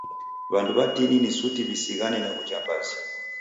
W'andu w'atini ni suti w'isighane na w'ujambazi.